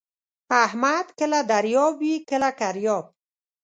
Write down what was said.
احمد کله دریاب وي کله کریاب.